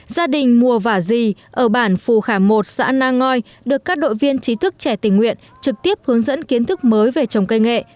gia đình mùa vả di ở bản phù khả một xã na ngoi được các đội viên trí thức trẻ tình nguyện trực tiếp hướng dẫn kiến thức mới về trồng cây nghệ